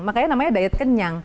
makanya namanya diet kenyang